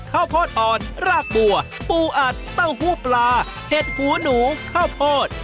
ข้าวโพดอ่อนรากบัวปูอัดเต้าหู้ปลาเห็ดหูหนูข้าวโพด